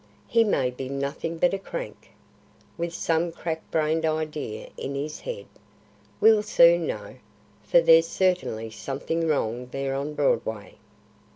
He may be nothing but a crank, with some crack brained idea in his head. We'll soon know; for there's certainly something wrong there on Broadway."